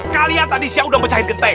kalian tadi siapa yang udah mecahin genteng